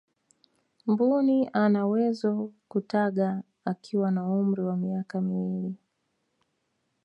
mbuni anawezo kutaga akiwa na umri wa miaka miwili